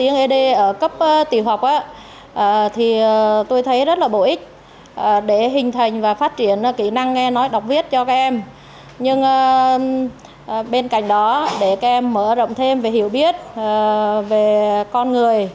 nhưng bên cạnh đó để các em mở rộng thêm về hiểu biết về con người